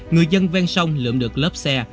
người dân ven sông lượm được lớp xe